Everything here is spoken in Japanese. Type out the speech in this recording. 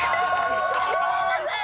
嘘⁉ごめんなさい！